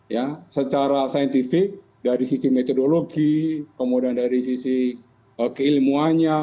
ya secara saintifik dari sisi metodologi kemudian dari sisi keilmuannya